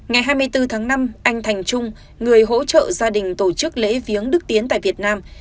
ngày hai mươi bốn tháng năm anh thành trung người hỗ trợ gia đình tổ chức lễ viếng đức tiến tại việt nam